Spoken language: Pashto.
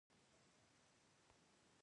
قدرت د طبیعت توازن ساتي.